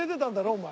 お前。